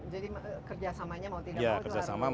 jadi kerjasamanya mau tidak mau itu harus erat